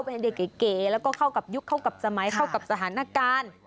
เป็นเด็กเก๋แล้วก็เข้ากับยุคเข้ากับสมัยเข้ากับสถานการณ์